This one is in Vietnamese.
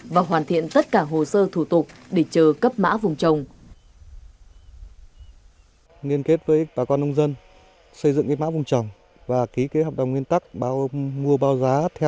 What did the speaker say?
và hoàn thiện tất cả hồ sơ thủ tục để chờ cấp mã vùng trồng